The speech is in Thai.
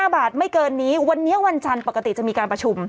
๕บาทไม่เกินนี้วันนี้วันจันทร์ปกติจะมีการประชุม